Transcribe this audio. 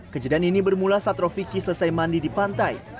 kejadian ini bermula saat rofiki selesai mandi di pantai